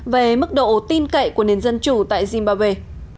về mức độ tin cậy của nền dân chủ tại zimbawe